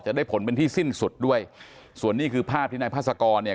ได้ผลเป็นที่สิ้นสุดด้วยส่วนนี้คือภาพที่นายพาสกรเนี่ย